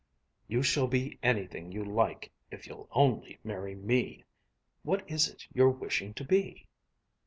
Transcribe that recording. "You shall be anything you like, if you'll only marry me. What is it you're wishing to be?"